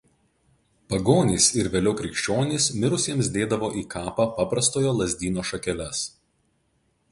Pagonys ir vėliau krikščionys mirusiems dėdavo į kapą paprastojo lazdyno šakeles.